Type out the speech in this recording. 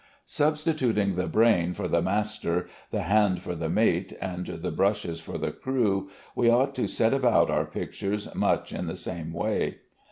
Substituting the brain for the master, the hand for the mate, and the brushes for the crew, we ought to set about our pictures much in the same way.